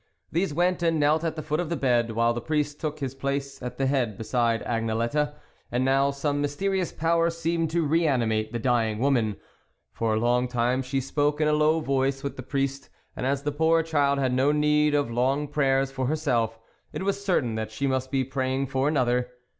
These went and knelt at the foot of the bed, while the priest took his place at the head beside Agnelette. And now, some mysterious power seemed to re animate the dying woman. For a long time she spoke in a low voice with the priest, and as the poor child had no need of long prayers for herself, it was certain that she must be praying for another.